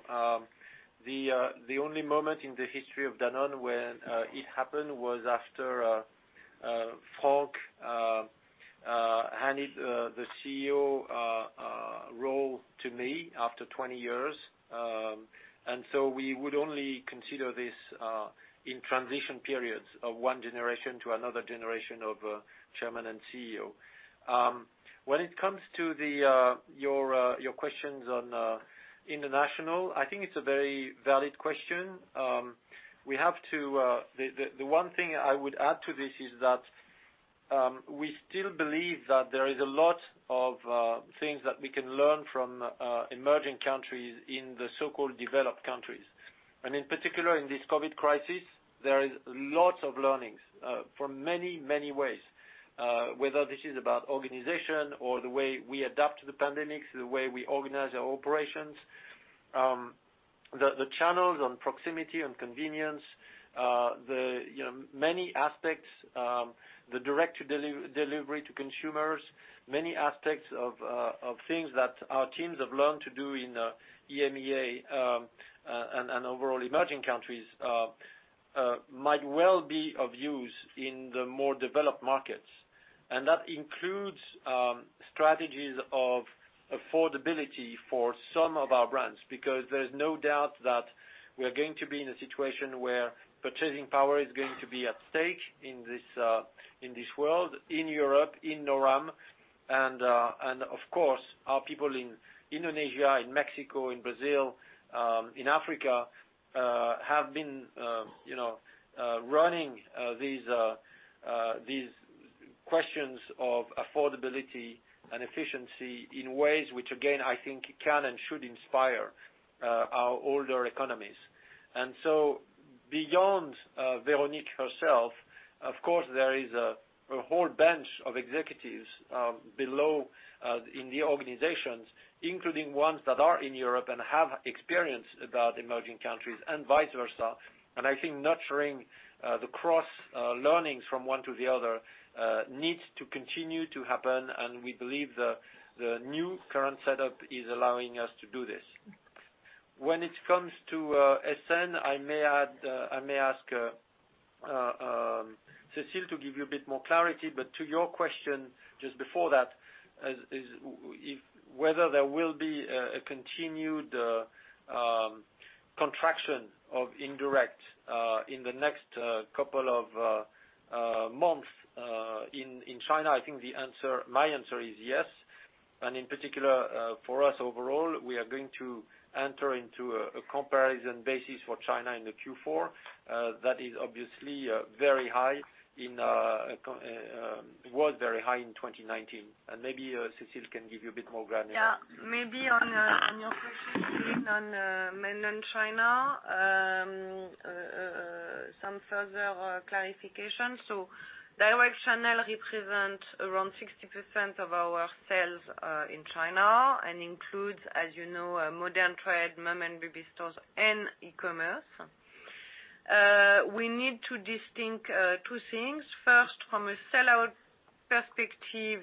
The only moment in the history of Danone when it happened was after Franck handed the CEO role to me after 20 years. We would only consider this in transition periods of one generation to another generation of Chairman and CEO. When it comes to your questions on international, I think it's a very valid question. The one thing I would add to this is that we still believe that there is a lot of things that we can learn from emerging countries in the so-called developed countries. In particular, in this COVID crisis, there is lots of learnings from many ways. Whether this is about organization or the way we adapt to the pandemics, the way we organize our operations. The channels on proximity and convenience, many aspects, the direct delivery to consumers, many aspects of things that our teams have learned to do in EMEA, and overall emerging countries might well be of use in the more developed markets. That includes strategies of affordability for some of our brands, because there's no doubt that we are going to be in a situation where purchasing power is going to be at stake in this world, in Europe, in NORAM. Of course, our people in Indonesia, in Mexico, in Brazil, in Africa have been running these questions of affordability and efficiency in ways which, again, I think can and should inspire our older economies. So beyond Véronique herself, of course, there is a whole bench of executives below in the organizations, including ones that are in Europe and have experience about emerging countries and vice versa. I think nurturing the cross-learnings from one to the other needs to continue to happen, and we believe the new current setup is allowing us to do this. When it comes to SN, I may ask Cécile to give you a bit more clarity. To your question just before that, whether there will be a continued contraction of indirect in the next couple of months in China, I think my answer is yes. In particular, for us overall, we are going to enter into a comparison basis for China in the Q4, that is obviously was very high in 2019. Maybe on your question, Celine Pannuti, on Mainland China, some further clarification. Direct channel represents around 60% of our sales in China and includes, as you know, modern trade, mom and baby stores, and e-commerce. We need to distinct two things. First, from a sellout perspective,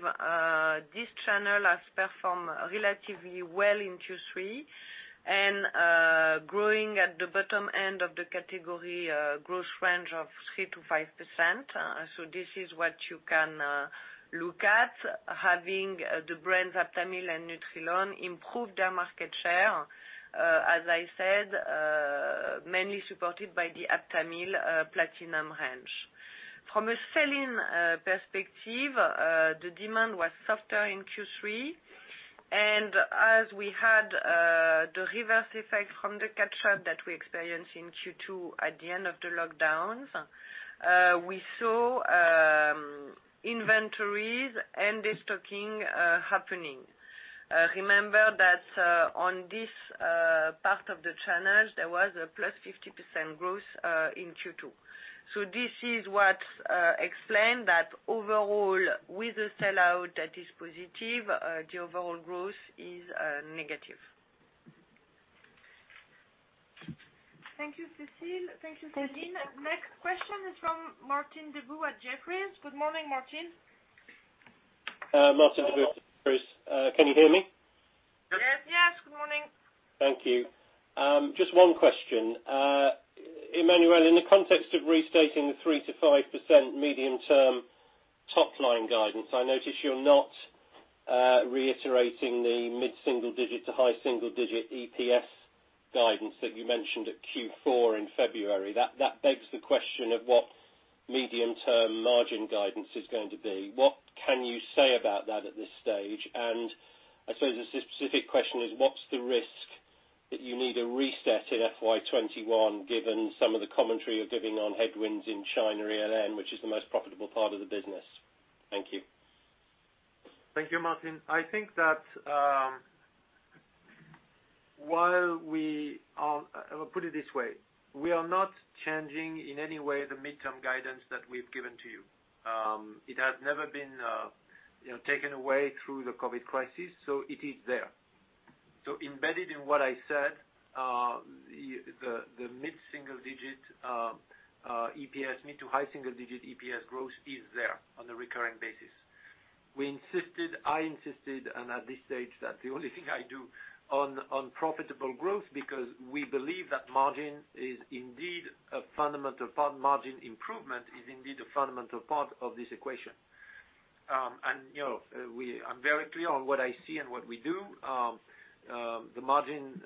this channel has performed relatively well in Q3. Being at the bottom end of the category growth range of 3%-5%. This is what you can look at, having the brands Aptamil and Nutrilon improve their market share. As I said, mainly supported by the Aptamil Platinum range. From a selling perspective, the demand was softer in Q3, and as we had the reverse effect from the catch-up that we experienced in Q2 at the end of the lockdowns, we saw inventories and destocking happening. Remember that on this part of the channels, there was a +50% growth in Q2. This is what explained that overall, with the sell-out that is positive, the overall growth is negative. Thank you, Cécile. Thank you, Celine. Next question is from Martin Deboo at Jefferies. Good morning, Martin. Martin Deboo at Jefferies. Can you hear me? Yes. Good morning. Thank you. Just one question. Emmanuel, in the context of restating the 3%-5% medium term top-line guidance, I notice you're not reiterating the mid-single digit to high single-digit EPS guidance that you mentioned at Q4 in February. That begs the question of what medium-term margin guidance is going to be. I suppose a specific question is, what's the risk that you need a reset in FY 2021, given some of the commentary you're giving on headwinds in China ELN, which is the most profitable part of the business? Thank you. Thank you, Martin. I think that, put it this way, we are not changing in any way the midterm guidance that we've given to you. It has never been taken away through the COVID crisis, it is there. Embedded in what I said, the mid-single-digit EPS, mid-to-high single-digit EPS growth is there on a recurring basis. We insisted, I insisted, at this stage, that the only thing I do on profitable growth, because we believe that margin is indeed a fundamental part, margin improvement is indeed a fundamental part of this equation. I'm very clear on what I see and what we do. The margin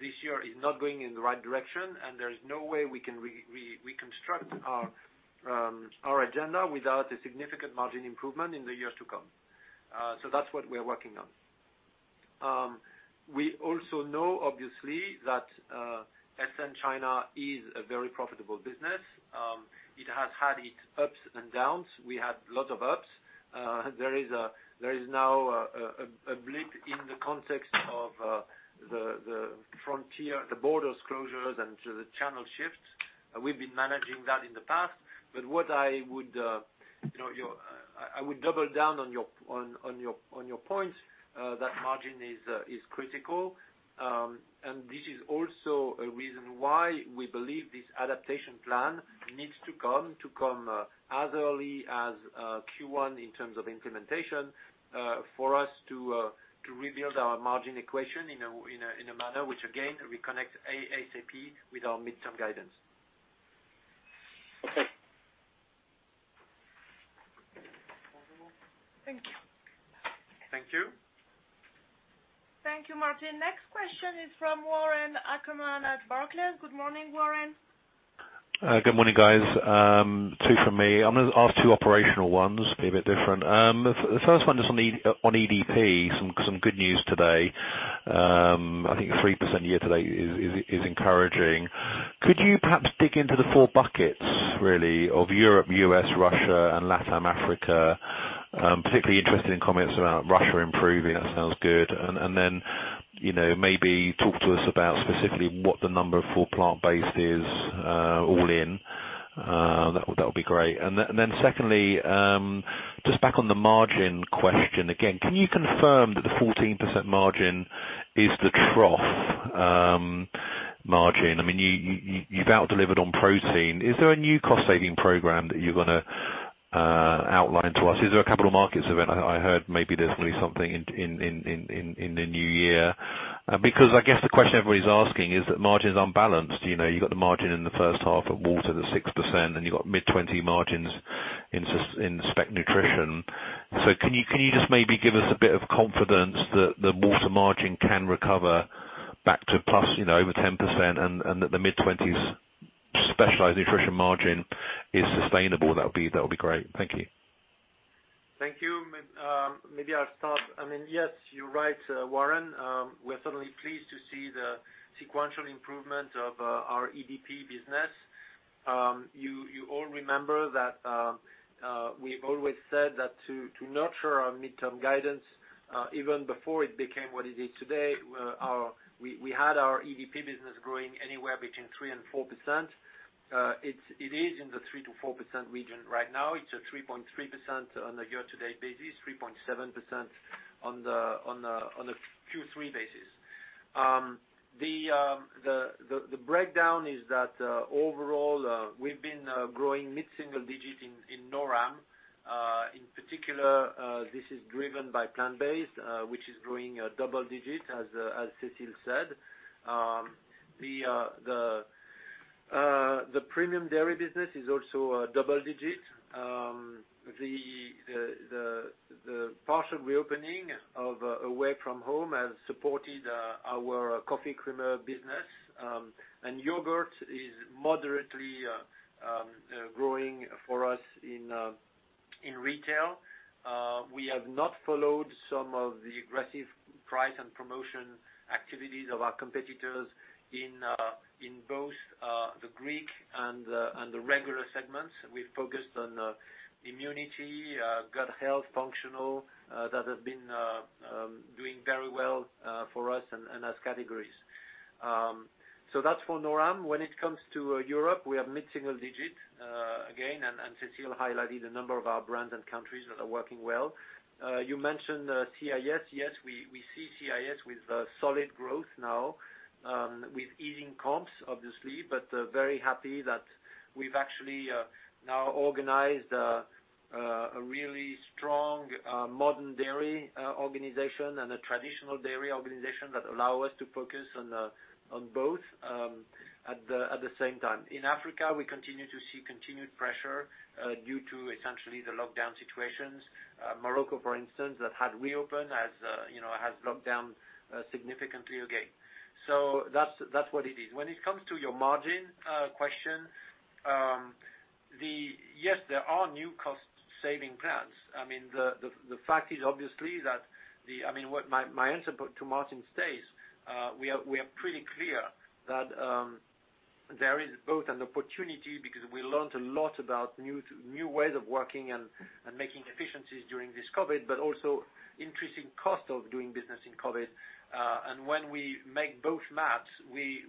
this year is not going in the right direction, there is no way we can reconstruct our agenda without a significant margin improvement in the years to come. That's what we're working on. We also know, obviously, that SN China is a very profitable business. It has had its ups and downs. We had lot of ups. There is now a blip in the context of the frontier, the borders closures and the channel shifts. We've been managing that in the past. I would double down on your point, that margin is critical. This is also a reason why we believe this adaptation plan needs to come as early as Q1 in terms of implementation, for us to rebuild our margin equation in a manner which, again, reconnect ASAP with our midterm guidance. Okay. Thank you. Thank you. Thank you, Martin. Next question is from Warren Ackerman at Barclays. Good morning, Warren. Good morning, guys. Two from me. I'm going to ask two operational ones, be a bit different. The first one is on EDP, some good news today. I think 3% year to date is encouraging. Could you perhaps dig into the four buckets, really, of Europe, U.S., Russia, and LATAM Africa? Particularly interested in comments about Russia improving. That sounds good. Then, maybe talk to us about specifically what the number for plant-based is all in. That would be great. Then secondly, just back on the margin question again. Can you confirm that the 14% margin is the trough margin? You've out delivered on Protein. Is there a new cost saving program that you're going to outline to us? Is there a capital markets event? I heard maybe there's going to be something in the new year. I guess the question everybody's asking is that margin's unbalanced? You got the margin in the first half of Water that's 6%, and you've got mid-20% margins in Spec Nutrition. Can you just maybe give us a bit of confidence that the Water margin can recover back to plus over 10% and that the mid-20%s Specialized Nutrition margin is sustainable? That would be great. Thank you. Thank you. Maybe I'll start. Yes, you're right, Warren, we're certainly pleased to see the sequential improvement of our EDP business. You all remember that we've always said that to nurture our midterm guidance, even before it became what it is today, we had our EDP business growing anywhere between 3% and 4%. It is in the 3%-4% region right now. It's a 3.3% on a year-to-date basis, 3.7% on the Q3 basis. The breakdown is that, overall, we've been growing mid-single digit in NORAM. In particular, this is driven by plant-based, which is growing double digit, as Cécile said. The premium dairy business is also double digit. The partial reopening of away from home has supported our coffee creamer business. Yogurt is moderately growing for us in retail. We have not followed some of the aggressive price and promotion activities of our competitors in both the Greek and the regular segments. We've focused on immunity, gut health, functional, that have been doing very well for us and as categories. That's for NORAM. When it comes to Europe, we are mid-single digit again, and Cécile highlighted a number of our brands and countries that are working well. You mentioned CIS. Yes, we see CIS with solid growth now, with easing comps, obviously, but very happy that we've actually now organized a really strong modern dairy organization and a traditional dairy organization that allow us to focus on both at the same time. In Africa, we continue to see continued pressure due to essentially the lockdown situations. Morocco, for instance, that had reopened has locked down significantly again. That's what it is. When it comes to your margin question, yes, there are new cost-saving plans. My answer to Martin stays, we are pretty clear that there is both an opportunity, because we learned a lot about new ways of working and making efficiencies during this COVID, but also increasing cost of doing business in COVID. When we make both [maps], we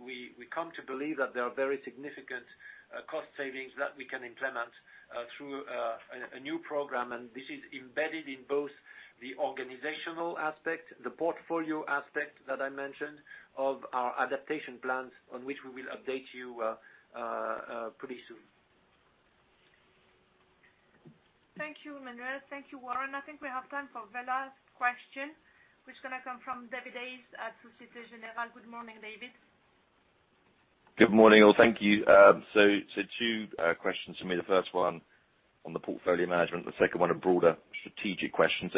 come to believe that there are very significant cost savings that we can implement through a new program, and this is embedded in both the organizational aspect, the portfolio aspect that I mentioned of our adaptation plans on which we will update you pretty soon. Thank you, Emmanuel. Thank you, Warren. I think we have time for the last question, which is going to come from David Hayes at Société Générale. Good morning, David. Good morning, all. Thank you. Two questions from me. The first one on the portfolio management, the second one a broader strategic question.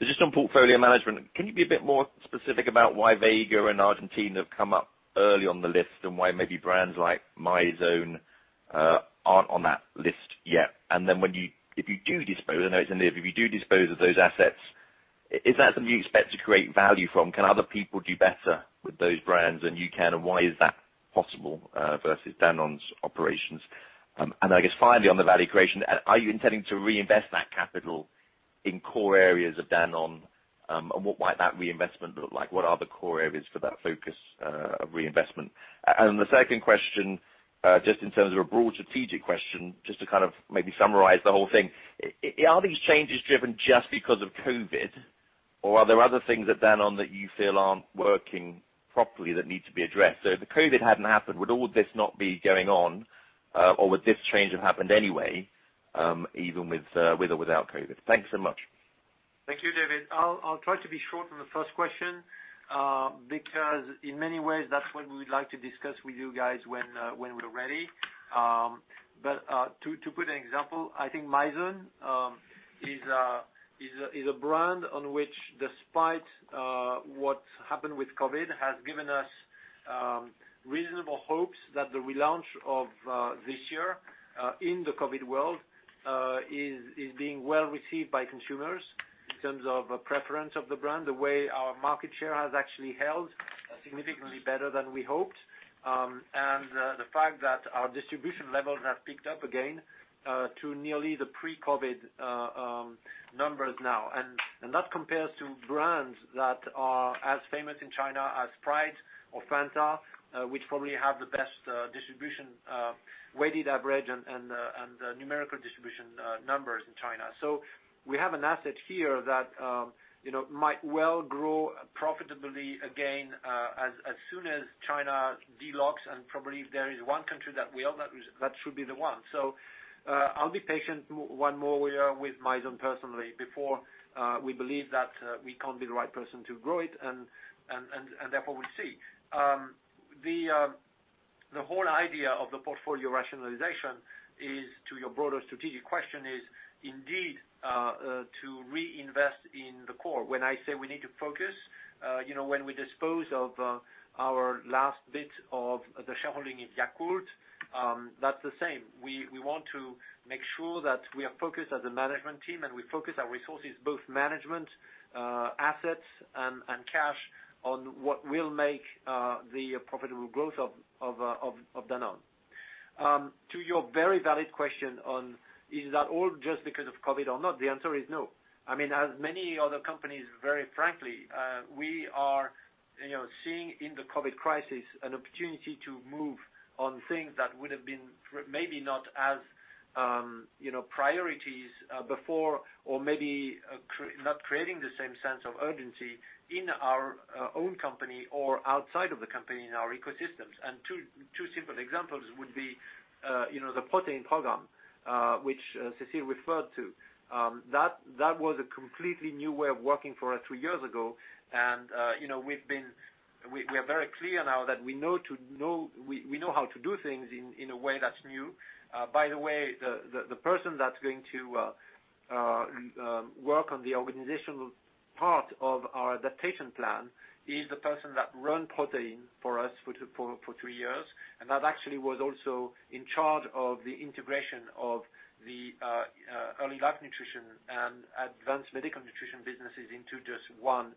Just on portfolio management, can you be a bit more specific about why Vega and Argentina have come up early on the list and why maybe brands like Mizone aren't on that list yet? Then if you do dispose, I know it's in there, but if you do dispose of those assets, is that something you expect to create value from? Can other people do better with those brands than you can, and why is that possible versus Danone's operations? I guess finally, on the value creation, are you intending to reinvest that capital in core areas of Danone? What might that reinvestment look like? What are the core areas for that focus of reinvestment? The second question, just in terms of a broad strategic question, just to maybe summarize the whole thing, are these changes driven just because of COVID, or are there other things at Danone that you feel aren't working properly that need to be addressed? If the COVID hadn't happened, would all of this not be going on, or would this change have happened anyway, even with or without COVID? Thanks so much. Thank you, David. I'll try to be short on the first question, because in many ways, that's what we would like to discuss with you guys when we're ready. To put an example, I think Mizone is a brand on which despite what happened with COVID, has given us reasonable hopes that the relaunch of this year in the COVID world is being well received by consumers in terms of preference of the brand, the way our market share has actually held significantly better than we hoped. The fact that our distribution levels have picked up again to nearly the pre-COVID numbers now. That compares to brands that are as famous in China as Sprite or Fanta, which probably have the best distribution weighted average and numerical distribution numbers in China. We have an asset here that might well grow profitably again as soon as China delocks, and probably if there is one country that will, that should be the one. I'll be patient one more year with Mizone personally before we believe that we can't be the right person to grow it, and therefore we'll see. The whole idea of the portfolio rationalization is, to your broader strategic question is, indeed to reinvest in the core. When I say we need to focus, when we dispose of our last bit of the shareholding in Yakult, that's the same. We want to make sure that we are focused as a management team and we focus our resources, both management, assets, and cash on what will make the profitable growth of Danone. To your very valid question on is that all just because of COVID or not? The answer is no. As many other companies, very frankly, we are seeing in the COVID crisis an opportunity to move on things that would've been maybe not as priorities before, or maybe not creating the same sense of urgency in our own company or outside of the company in our ecosystems. Two simple examples would be the protein program, which Cécile referred to. That was a completely new way of working for us three years ago. We are very clear now that we know how to do things in a way that's new. By the way, the person that's going to work on the organizational part of our adaptation plan is the person that ran protein for us for three years, and that actually was also in charge of the integration of the Early Life Nutrition and Advanced Medical Nutrition businesses into just one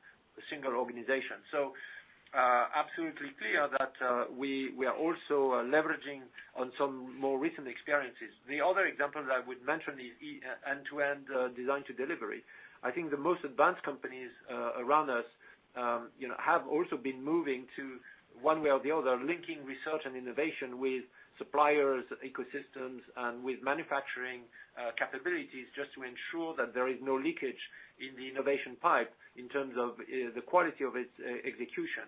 single organization. Absolutely clear that we are also leveraging on some more recent experiences. The other example that I would mention is End-to-End Design to Delivery. I think the most advanced companies around us have also been moving to, one way or the other, linking research and innovation with suppliers, ecosystems, and with manufacturing capabilities, just to ensure that there is no leakage in the innovation pipe in terms of the quality of its execution.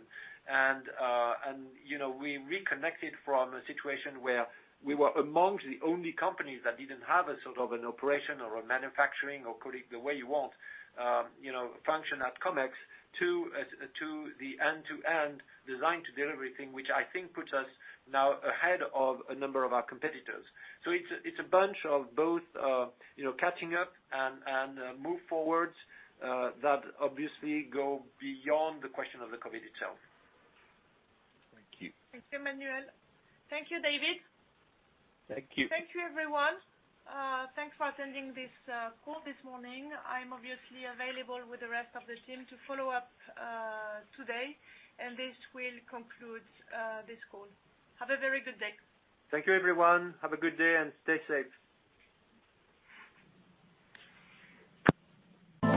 We reconnected from a situation where we were amongst the only companies that didn't have a sort of an operation or a manufacturing or call it the way you want, function at Comex, to the End-to-End Design to Delivery thing, which I think puts us now ahead of a number of our competitors. It's a bunch of both catching up and move forwards, that obviously go beyond the question of the COVID itself. Thank you. Thank you, Emmanuel. Thank you, David. Thank you. Thank you, everyone. Thanks for attending this call this morning. I'm obviously available with the rest of the team to follow up today. This will conclude this call. Have a very good day. Thank you, everyone. Have a good day and stay safe.